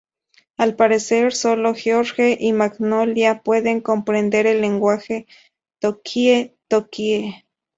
Al parecer sólo George y Magnolia pueden comprender el lenguaje tookie-tookie.